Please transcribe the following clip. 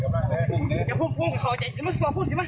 มันกำลังอยู่แล้ว